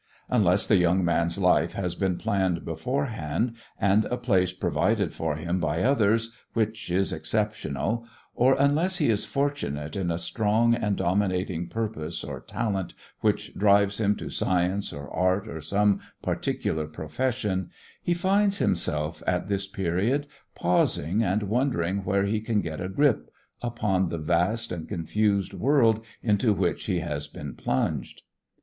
Unless the young man's life has been planned beforehand and a place provided for him by others, which is exceptional, or unless he is fortunate in a strong and dominating purpose or talent which drives him to science or art or some particular profession, he finds himself at this period pausing and wondering where he can get a grip upon the vast and confused world into which he has been plunged.